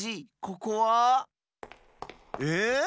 ここは？え？